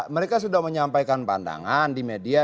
mereka sudah menyampaikan pandangan di media